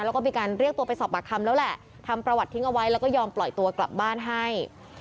แล้วก็มีการเรียกตัวไปสอบปากคำแล้วแหละทำประวัติทิ้งเอาไว้แล้วก็ยอมปล่อยตัวกลับบ้านให้